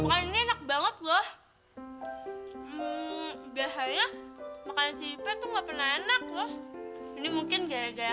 ini enak banget loh biasanya makan sipeh tuh nggak pernah enak loh ini mungkin gaya gaya